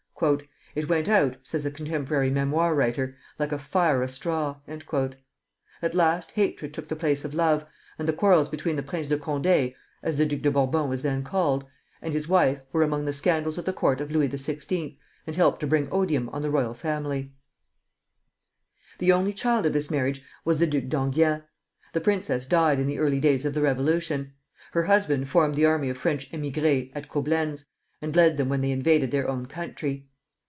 "It went out," says a contemporary memoir writer, "like a fire of straw." At last hatred took the place of love, and the quarrels between the Prince de Condé (as the Duc de Bourbon was then called) and his wife were among the scandals of the court of Louis XVI., and helped to bring odium on the royal family. [Footnote 1: Madame d'Oberkirch.] The only child of this marriage was the Duc d'Enghien. The princess died in the early days of the Revolution. Her husband formed the army of French émigrés at Coblentz, and led them when they invaded their own country.